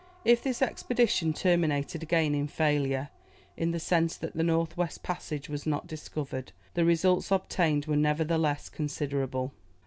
If this expedition terminated again in failure, in the sense that the north west passage was not discovered, the results obtained were nevertheless considerable.